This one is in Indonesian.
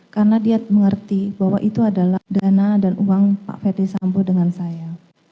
karena dia mengerti bahwa itu adalah dana dan uang pak fede sampo dengan saya